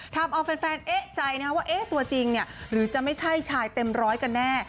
ทำเอาแฟนเอ๊ะใจนะว่าตัวจริงหรือจะไม่ใช่ชายเต็มร้อยกันแน่